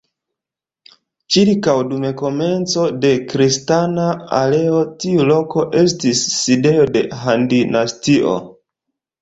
Ĉirkaŭ dum komenco de kristana erao tiu loko estis sidejo de Han-dinastio.